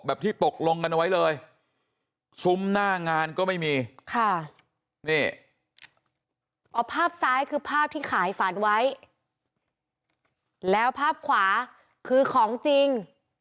ที่ตกลงกันเอาไว้เลยซุ้มหน้างานก็ไม่มีค่ะนี่เอาภาพซ้ายคือภาพที่ขายฝันไว้แล้วภาพขวาคือของจริง